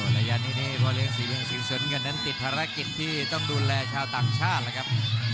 ระยะนี้พ่อเลี้ยงศรีเมืองศรีสุนกันนั้นติดภารกิจที่ต้องดูแลชาวต่างชาตินะครับ